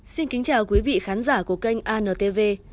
xin kính chào quý vị khán giả của kênh antv